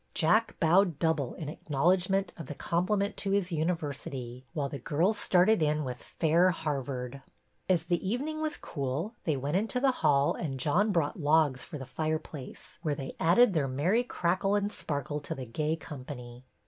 Jack bowed double in acknowledgment of the compliment to his university, while the girls started in with Fair Harvard." As the evening was cool they went into the hall and John brought logs for the fireplace, where they added their merry crackle and sparkle to the gay company.